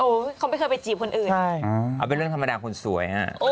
เขาไม่เคยไปจีบคนอื่นใช่เอาเป็นเรื่องธรรมดาคนสวยฮะ